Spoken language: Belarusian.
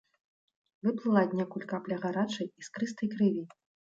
Выплыла аднекуль капля гарачай іскрыстай крыві.